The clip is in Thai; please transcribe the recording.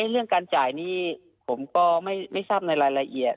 เรื่องการจ่ายนี้ผมก็ไม่ทราบในรายละเอียด